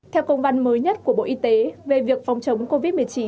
theo công văn mới nhất của bộ y tế về việc phòng chống covid một mươi chín